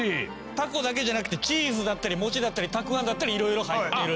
タコだけじゃなくてチーズだったり餅だったりたくあんだったり色々入ってる。